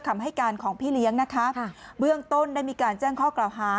คำให้การของพี่เลี้ยงนะคะเบื้องต้นได้มีการแจ้งข้อกล่าวหา